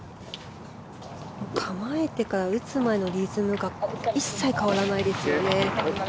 構えてから打つまでのリズムが一切変わらないですよね。